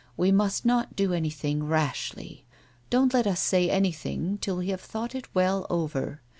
" We must not do anything rashly. Don't let us say anything till we have thought it well over.